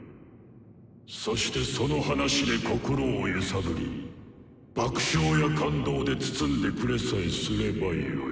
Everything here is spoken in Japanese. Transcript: そしてその話で心を揺さぶり爆笑や感動で包んでくれさえすればよい。